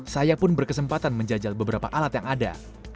saya pun berkesempatan menjajal beberapa alat yang ada